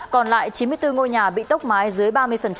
còn lại chín mươi bốn ngôi nhà bị tốc mái dưới ba mươi